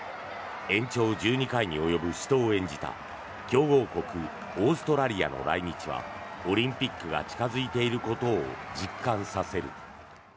延長１２回に及ぶ死闘を演じた強豪国オーストラリアの来日はオリンピックが近付いていることを実感させる。